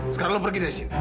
sekarang lo pergi dari sini